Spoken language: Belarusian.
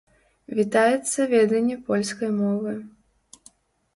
Вітаецца веданне польскай мовы.